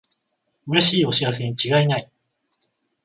うれしいお知らせにちがいない